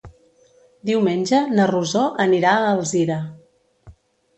Diumenge na Rosó anirà a Alzira.